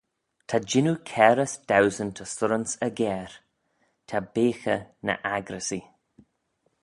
Ta jannoo cairys dauesyn ta surranse aggair: ta beaghey ny accryssee.